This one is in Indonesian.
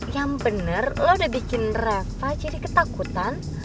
yang bener lo udah bikin reva jadi ketakutan